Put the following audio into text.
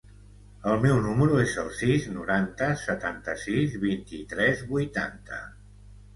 El meu número es el sis, noranta, setanta-sis, vint-i-tres, vuitanta.